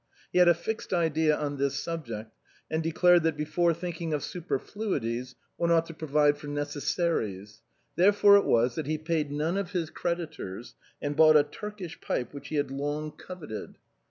He had a fixed idea on this sub ject, and declared that before thinking of superfluities, one ought to provide for necessaries. Therefore it was that he paid none of his creditors, and bought a Turkish pipe which he had long coveted.